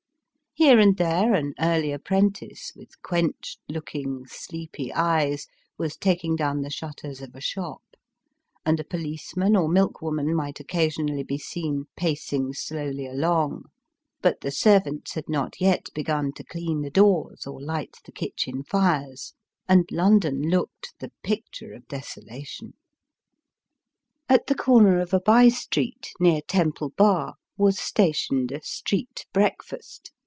Here and there, an early apprentice, with quenched looking, sleepy eyes, was taking down the shutters of a shop ; and a policeman or milkwoman might occasion ally be seen pacing slowly along ; but the servants had not yet begun to clean the doors, or light the kitchen fires, and London looked the picture of desolation. At the corner of a by street, near Temple Bar, was stationed a "street breakfast."